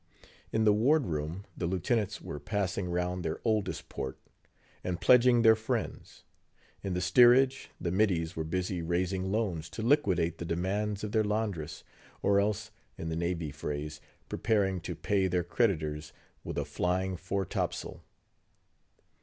In the ward room, the lieutenants were passing round their oldest port, and pledging their friends; in the steerage, the middies were busy raising loans to liquidate the demands of their laundress, or else—in the navy phrase—preparing to pay their creditors with a flying fore topsail.